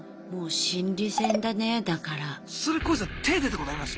それコウジさん手出たことあります？